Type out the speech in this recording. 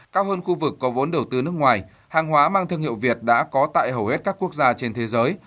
cao hơn khu vực có vốn đầu tư nước ngoài hàng hóa mang thương hiệu việt đã có tại hầu hết các quốc gia trên thế giới